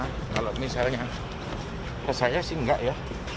kalau misalnya ke saya sih nggak ya